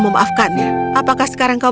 memaafkannya apakah sekarang kau